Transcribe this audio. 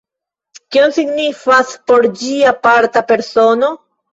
Kion signifas por ĝi aparta persono?